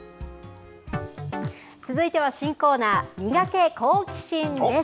続いては新コーナー、ミガケ好奇心！です。